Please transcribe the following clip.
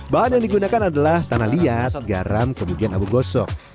bahan yang digunakan adalah tanah liat garam kemudian abu gosok